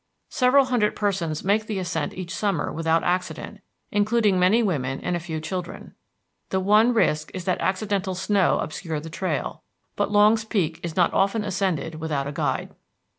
Several hundred persons make the ascent each summer without accident, including many women and a few children. The one risk is that accidental snow obscure the trail; but Longs Peak is not often ascended without a guide.